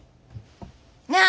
なあ！